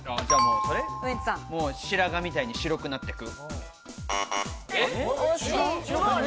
白髪みたいに白くなってく。